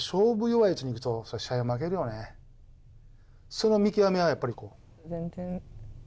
その見極めはやっぱり。